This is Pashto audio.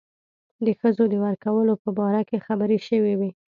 د ښځو د ورکولو په باره کې خبرې شوې وې.